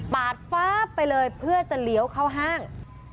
ดฟ้าไปเลยเพื่อจะเลี้ยวเข้าห้าง